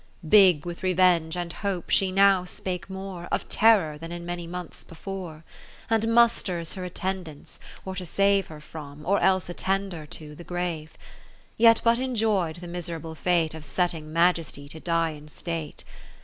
Big with revenge and hope she now spake more Of terror than in many months be fore ; And musters her attendants, or to save Her from, or else attend her to, the grave : Yet but enjoy'd the miserable fate Of setting Majesty, to die in state.